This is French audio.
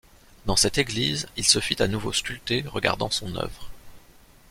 Dans cette église il se fit à nouveau sculpter regardant son œuvre.